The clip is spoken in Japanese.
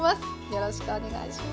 よろしくお願いします。